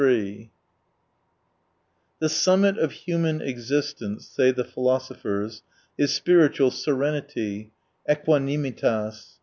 103 The summit of human existence, say the philosophers, is spiritual serenity, aequanimitas.